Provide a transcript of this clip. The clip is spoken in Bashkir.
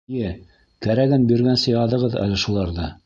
Эйе, кәрәген биргәнсе яҙығыҙ әле шуларҙы.